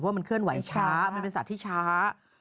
เพราะมันเคลื่อนไหวช้า